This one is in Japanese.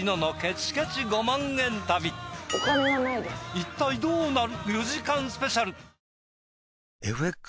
一体どうなる？